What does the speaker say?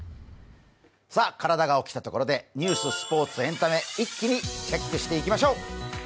体が起きたところでニュース、スポーツ、エンタメ一気にチェックしていきましょう。